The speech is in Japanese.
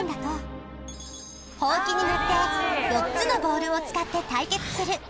ほうきに乗って４つのボールを使って対決する。